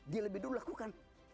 dia lebih dulu lakukan